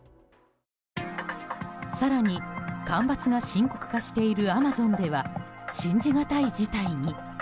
更に干ばつが深刻化しているアマゾンでは信じがたい事態に。